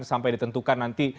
sampai ditentukan nanti